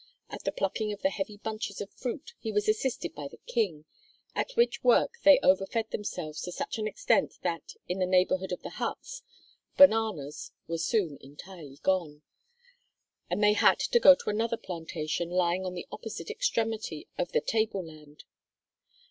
At the plucking of the heavy bunches of fruit he was assisted by the King, at which work they overfed themselves to such an extent that, in the neighborhood of the huts, bananas were soon entirely gone, and they had to go to another plantation lying on the opposite extremity of the table land.